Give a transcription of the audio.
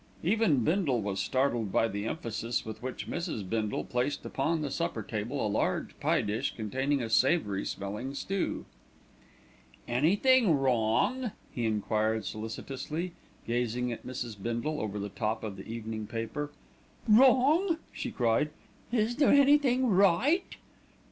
Even Bindle was startled by the emphasis with which Mrs. Bindle placed upon the supper table a large pie dish containing a savoury smelling stew. "Anythink wrong?" he enquired solicitously, gazing at Mrs. Bindle over the top of the evening paper. "Wrong!" she cried. "Is there anything right?"